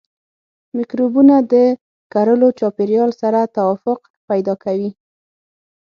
مکروبونه د کرلو چاپیریال سره توافق پیدا کوي.